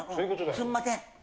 すんません。